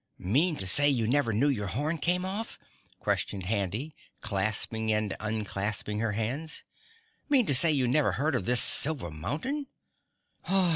"Mean to say you never knew your horn came off?" questioned Handy, clasping and unclasping her hands. "Mean to say you never heard of this Silver Mountain?"